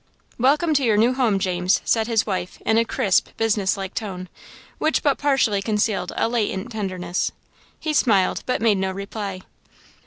"Welcome to your new home, James," said his wife, in a crisp, businesslike tone, which but partially concealed a latent tenderness. He smiled, but made no reply.